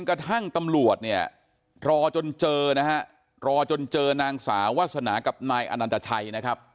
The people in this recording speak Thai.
กระทั่งตำรวจเนี่ยรอจนเจอนะฮะรอจนเจอนางสาววาสนากับนายอนันตชัยนะครับ